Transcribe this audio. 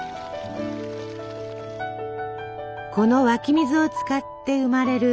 この湧き水を使って生まれる